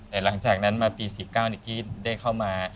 แต่หลังจากนั้นมาปี๔๙กี้ได้เข้ามา